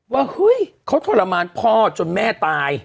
ว่าเฮ้ยเขาทรมานพ่อจนแม่ตาย